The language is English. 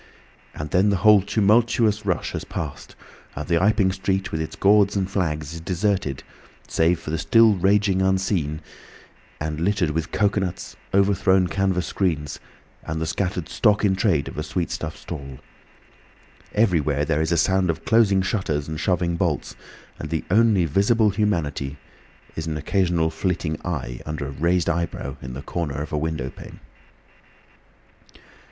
And then the whole tumultuous rush has passed and the Iping street with its gauds and flags is deserted save for the still raging unseen, and littered with cocoanuts, overthrown canvas screens, and the scattered stock in trade of a sweetstuff stall. Everywhere there is a sound of closing shutters and shoving bolts, and the only visible humanity is an occasional flitting eye under a raised eyebrow in the corner of a window pane.